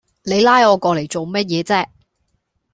你拉我過嚟做咩嘢啫